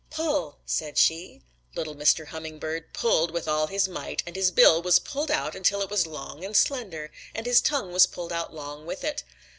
'Pull,' said she. Little Mr. Hummingbird pulled with all his might, and his bill was pulled out until it was long and slender, and his tongue was pulled out long with it.